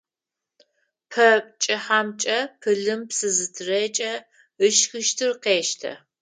Пэ кӏыхьэмкӏэ пылым псы зытырекӏэ, ышхыщтыр къештэ.